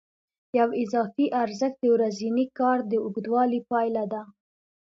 یو اضافي ارزښت د ورځني کار د اوږدوالي پایله ده